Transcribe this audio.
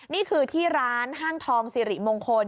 นี่คือที่ร้านห้างทองสิริมงคล